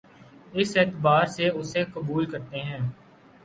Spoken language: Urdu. اسی اعتبار سے اسے قبول کرتے ہیں